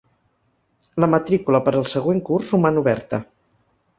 La matrícula per al següent curs roman oberta.